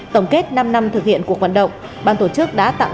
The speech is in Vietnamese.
tổng kết năm năm thực hiện cuộc vận động